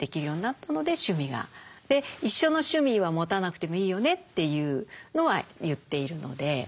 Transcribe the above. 一緒の趣味は持たなくてもいいよねというのは言っているので。